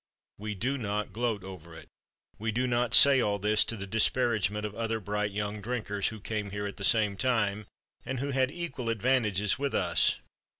We do not gloat over it. We do not say all this to the disparagement of other bright, young drinkers, who came here at the same time, and who had equal advantages with us.